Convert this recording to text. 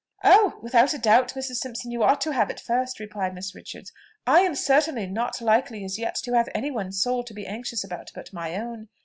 "Oh! without doubt, Mrs. Simpson, you ought to have it first," replied Miss Richards. "I am certainly not likely as yet to have any one's soul to be anxious about but my own.